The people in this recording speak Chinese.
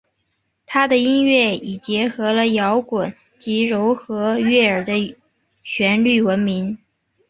她的音乐以结合了摇滚及柔和悦耳的旋律闻名。